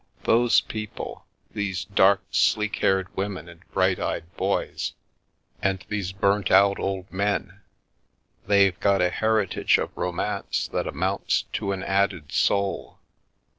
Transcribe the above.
Those people — these dark, sleek haired women and bright eyed boys, and these burnt out The Milky Way old men, they've got a heritage of romance that amounts to an added soul.